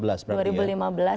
dua ribu lima belas berarti ya